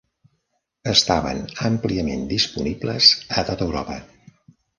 Estaven àmpliament disponibles a tot Europa.